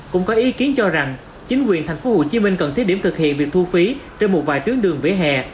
cũng có ý kiến cho rằng chính quyền tp hcm cần thiết điểm thực hiện việc thu phí trên một vài tuyến đường vỉa hè